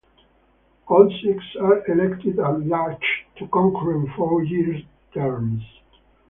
All six are elected at large to concurrent four year terms.